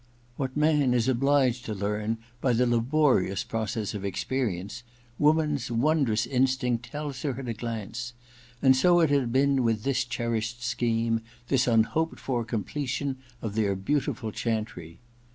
What man is obliged to learn by the laborious process of experience, woman's wondrous instinct tells her at a glance ; and so it had been with this cherished scheme, this unhoped for completion of their beautiful chantry.